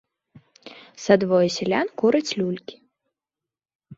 Са двое сялян кураць люлькі.